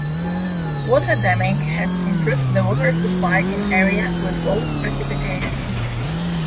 Water damming has improved the water supply in areas with low precipitation.